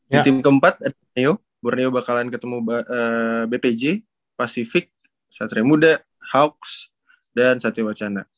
di tim keempat borneo bakalan ketemu bpj pacific satria muda hawks dan satya wacana